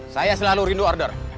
saya selalu rindu order